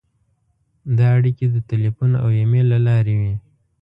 دا اړیکې د تیلفون او ایمېل له لارې وې.